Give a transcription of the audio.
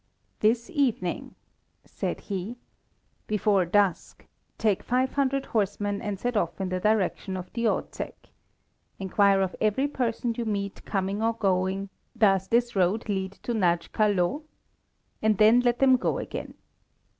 "This evening," said he, "before dusk, take five hundred horsemen and set off in the direction of Diószeg. Inquire of every person you meet coming or going: 'Does this road lead to Nagy Kálló?' and then let them go again.